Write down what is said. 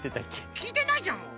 きいてないじゃん！